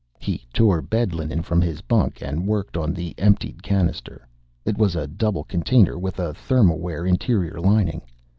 He tore bed linen from his bunk and worked on the emptied cannister. It was a double container with a thermware interior lining.